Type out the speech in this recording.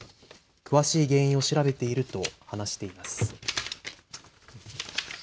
詳しい原因を調べていると話しています。